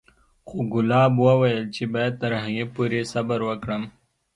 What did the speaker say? خو ګلاب وويل چې بايد تر هغې پورې صبر وکړم.